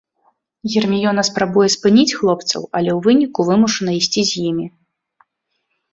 Герміёна спрабуе спыніць хлопцаў, але ў выніку вымушана ісці з імі.